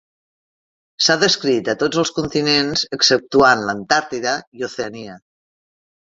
S'ha descrit a tots els continents exceptuant l'Antàrtida i Oceania.